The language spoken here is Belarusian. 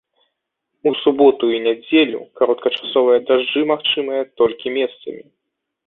У суботу і нядзелю кароткачасовыя дажджы магчымыя толькі месцамі.